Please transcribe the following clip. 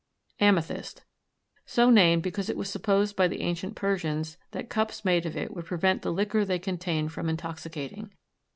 AMETHYST. So named because it was supposed by the ancient Persians that cups made of it would prevent the liquor they contained from intoxicating.